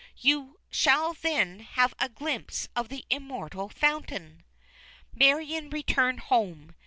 You shall then have a glimpse of the Immortal Fountain." Marion returned home.